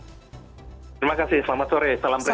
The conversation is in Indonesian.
terima kasih selamat sore